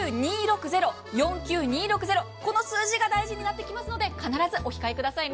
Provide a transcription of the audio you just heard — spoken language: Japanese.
この数字が大事になってきますので、必ずお控えくださいね。